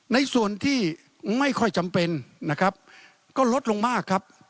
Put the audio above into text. ในส่วนที่ไม่ค่อยจำเป็นนะครับก็ลดลงมากครับ